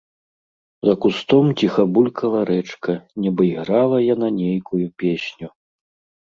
За кустом ціха булькала рэчка, нібы іграла яна нейкую песню.